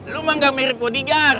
lu mah gak mirip bodigar